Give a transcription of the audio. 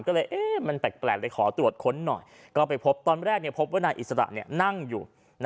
ก็เลยมันแปลกเลยขอตรวจค้นหน่อยก็ไปพบตอนแรกพบว่านายอิสระนั่งอยู่